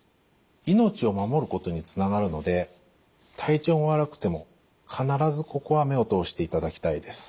命を守ることにつながるので体調が悪くても必ずここは目を通していただきたいです。